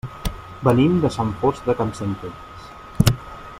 Venim de Sant Fost de Campsentelles.